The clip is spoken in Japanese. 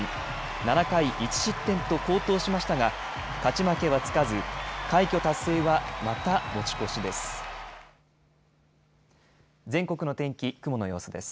７回１失点と好投しましたが勝ち負けはつかず快挙達成はまた持ち越しです。